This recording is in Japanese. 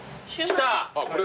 来た！